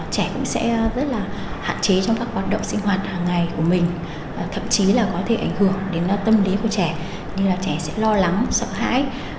trẻ cũng sẽ rất là hạn chế trong các hoạt động sinh hoạt hàng ngày của mình thậm chí là có thể ảnh hưởng đến tâm lý của trẻ như là trẻ sẽ lo lắng sợ hãi